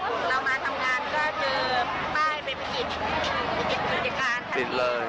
แล้วไม่สามารถเข้าไปทำงานได้